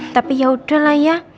tapi yaudahlah ya